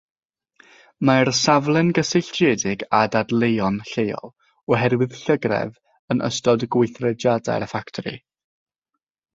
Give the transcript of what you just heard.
Mae'r safle'n gysylltiedig â dadleuon lleol oherwydd llygredd yn ystod gweithrediadau'r ffatri.